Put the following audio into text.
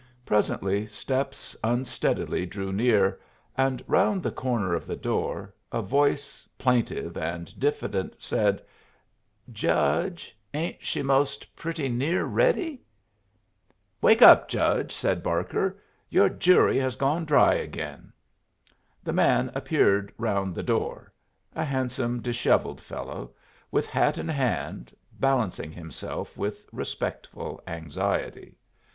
Presently steps unsteadily drew near, and round the corner of the door a voice, plaintive and diffident, said, "Judge, ain't she most pretty near ready?" "Wake up, Judge!" said Barker. "Your jury has gone dry again." The man appeared round the door a handsome, dishevelled fellow with hat in hand, balancing himself with respectful anxiety.